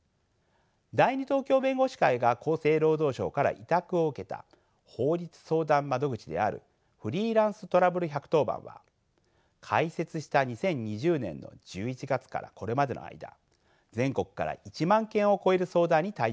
第二東京弁護士会が厚生労働省から委託を受けた法律相談窓口であるフリーランス・トラブル１１０番は開設した２０２０年の１１月からこれまでの間全国から１万件を超える相談に対応してきました。